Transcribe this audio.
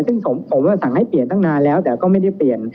ซึ่งผมสั่งให้เปลี่ยนตั้งนานแล้วแต่ก็ไม่ได้เปลี่ยน